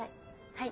はい。